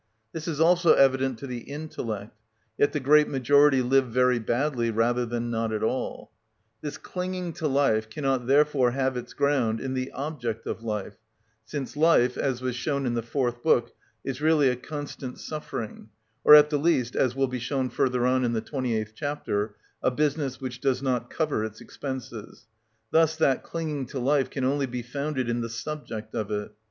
This is also evident to the intellect; yet the great majority live very badly rather than not at all. This clinging to life cannot therefore have its ground in the object of life, since life, as was shown in the fourth book, is really a constant suffering, or at the least, as will be shown further on in the 28th chapter, a business which does not cover its expenses; thus that clinging to life can only be founded in the subject of it.